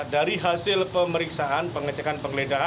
dari hasil pemeriksaan pengecekan penggeledahan